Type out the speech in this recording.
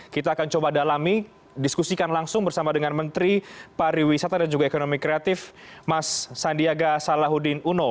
kita akan coba dalami diskusikan langsung bersama dengan menteri pariwisata dan juga ekonomi kreatif mas sandiaga salahuddin uno